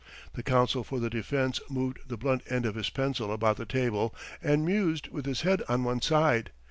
The council for the defence moved the blunt end of his pencil about the table and mused with his head on one side.